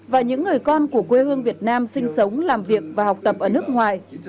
và những người con của quê hương việt nam sinh sống làm việc và học tập ở nước ngoài